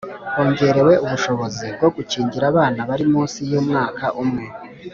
Hongerewe ubushobozi bwo gukingira abana bari munsi y umwaka umwe